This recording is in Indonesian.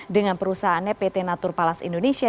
dengan perusahaannya pt natur palas indonesia